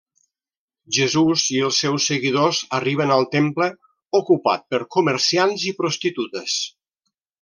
Jesús i els seus seguidors arriben al temple, ocupat per comerciants i prostitutes.